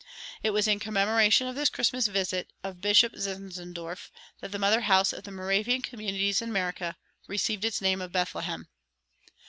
It was in commemoration of this Christmas visit of Bishop Zinzendorf that the mother house of the Moravian communities in America received its name of Bethlehem.